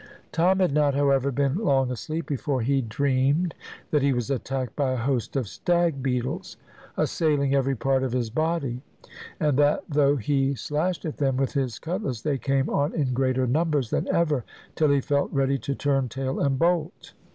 Tom had not, however, been long asleep before he dreamed that he was attacked by a host of stag beetles, assailing every part of his body, and that though he slashed at them with his cutlass they came on in greater numbers than ever, till he felt ready to turn tail and bolt.